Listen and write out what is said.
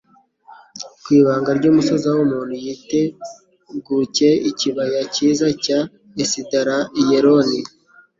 ku ibanga ry'umusozi aho umuntu yitegcye ikibaya cyiza cya Esidarayeroni